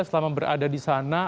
selama berada di sana